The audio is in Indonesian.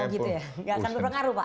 nggak akan berpengaruh pak